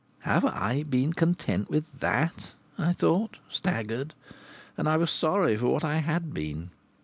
"Have I been content with that?" I thought, staggered. And I was sorry for what I had been.